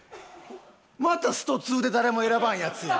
また『ストⅡ』で誰も選ばんやつや。